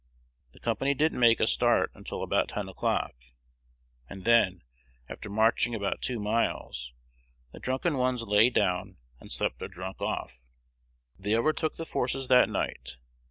The company didn't make a start until about ten o'clock, and then, after marching about two miles, the drunken ones lay down and slept their drunk off. They overtook the forces that night.